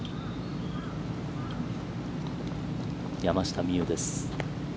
山下美夢有です。